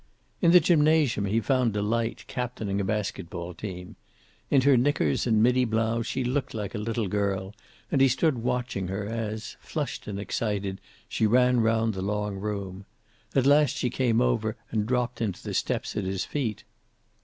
In the gymnasium he found Delight, captaining a basket ball team. In her knickers and middy blouse she looked like a little girl, and he stood watching her as, flushed and excited, she ran round the long room. At last she came over and dropped onto the steps at his feet.